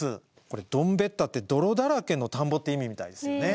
これ「どんべっ田」って「泥だらけの田んぼ」っていう意味みたいですよね。